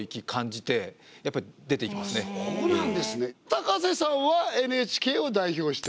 高瀬さんはＮＨＫを代表して。